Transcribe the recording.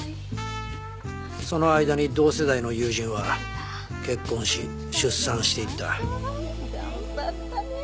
その間に同世代の友人は結婚し出産していった。